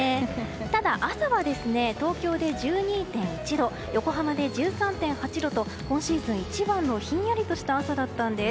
ただ、朝は東京で１２．１度横浜で１３．８度と今シーズン一番のひんやりとした朝だったんです。